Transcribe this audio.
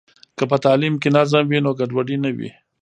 که په تعلیم کې نظم وي، نو ګډوډي نه وي.